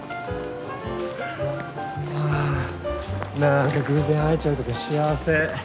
あなんか偶然会えちゃうとか幸せ。